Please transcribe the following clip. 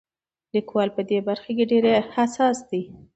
لیکوال په دې برخه کې ډېر حساس دی.